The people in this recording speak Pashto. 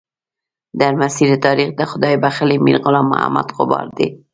درمسیر تاریخ د خدای بخښلي میر غلام محمد غبار دی.